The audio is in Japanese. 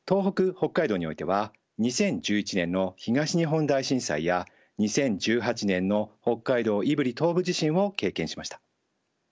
北海道においては２０１１年の東日本大震災や２０１８年の北海道胆振東部地震を経験しました。